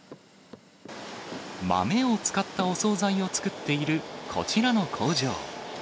豆を使ったお総菜を作っている、こちらの工場。